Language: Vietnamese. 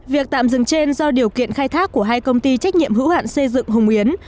việc tạm dừng trên do điều kiện khai thác của hai công ty trách nhiệm hữu hạn xây dựng hùng yến